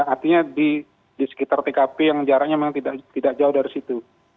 artinya di sekitar tkp yang jaraknya memang tidak jauh dari situ